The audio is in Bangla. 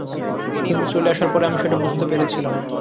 তুমি চলে আসার পরই আমি সেটা বুঝতে পেরেছিলাম।